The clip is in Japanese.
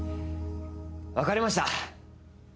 分かりました！